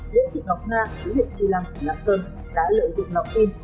liễu thị ngọc nga chú liệu tri lăng lạc sơn đã lợi dụng ngọc minh